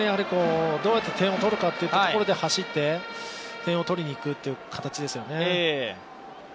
どうやって点を取るかというところで走って点を取りにいくという形ですよね。